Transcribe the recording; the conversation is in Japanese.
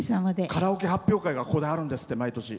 カラオケ発表会がここであるんですって、毎年。